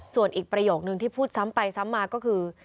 ส่วนอีกประโยคนึงที่พูดซ้ำไปซ้ำมาก็คือ